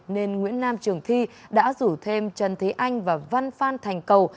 nên nguyễn nam trường thi đã rủ thêm trần thế anh và văn phan thành cầu